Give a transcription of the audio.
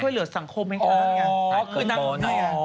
ช่วยเหลือสังคมให้คุณธรรม